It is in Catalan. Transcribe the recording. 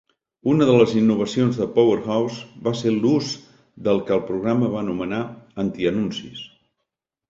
Una de les innovacions de "Powerhouse" va ser l'ús del que el programa va anomenar "antianuncis".